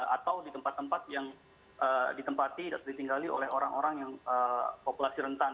atau di tempat tempat yang ditempati atau ditinggali oleh orang orang yang populasi rentan